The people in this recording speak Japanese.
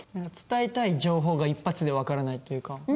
伝えたい情報が一発で分からないというか。